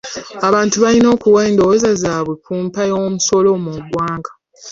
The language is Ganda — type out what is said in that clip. Abantu bayina okuwa endowoza zaabwe ku mpa y'omusolo mu ggwanga.